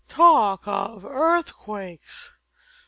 Talk of earthquakes!